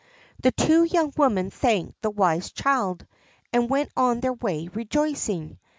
The two young women thanked the wise child, and went on their way rejoicing.